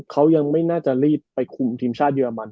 เขายังไม่น่าจะรีบไปคุมทีมชาติเยอรมัน